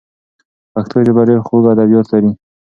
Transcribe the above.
پښتو ژبه ډېر خوږ ادبیات لري.